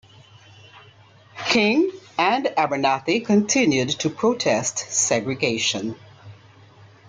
King and Abernathy continued to protest segregation.